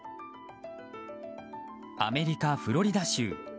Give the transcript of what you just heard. アメリカ・フロリダ州。